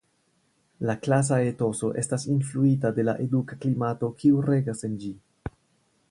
La klasa etoso estas influita de la eduka klimato kiu regas en ĝi.